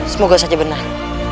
semoga saja benar